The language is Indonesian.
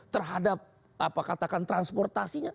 terhadap apa katakan transportasinya